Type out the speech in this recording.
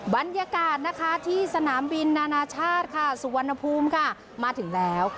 บรรยากาศนะคะที่สนามบินนานาชาติค่ะสุวรรณภูมิค่ะมาถึงแล้ว